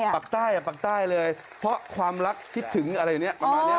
ปักใต้เลยเพราะความรักคิดถึงอะไรอยู่นี่